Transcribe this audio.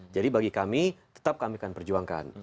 jadi bagi kami tetap kami akan perjuangkan